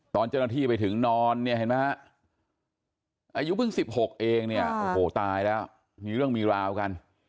ตอนเจ้าหน้าที่ไปถึงนอนอายุเพิ่ง๑๖เองตายแล้วมีเรื่องมีราวกัน